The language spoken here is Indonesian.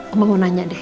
oma mau nanya deh